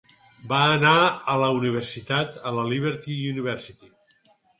Va anar a la universitat a la Liberty University.